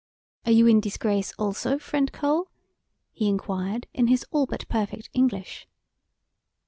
"Are you in deesgrace also, friend Cole?" he inquired in his all but perfect English.